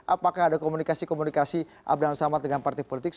apakah ada komunikasi komunikasi abraham samad dengan partai politik